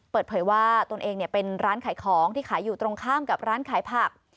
เปิดเผยว่าตนเองเป็นร้านขายของที่ขายอยู่ตรงข้ามกับร้านขายผัก